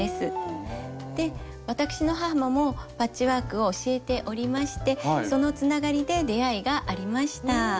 私の母もパッチワークを教えておりましてそのつながりで出会いがありました。